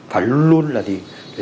phải luôn là gì